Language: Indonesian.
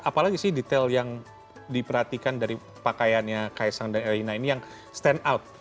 apalagi sih detail yang diperhatikan dari pakaiannya kaisang dan erina ini yang stand out